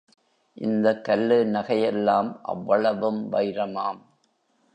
இந்தக் கல்லு நகையெல்லாம் அவ்வளவும் வைரமாம்!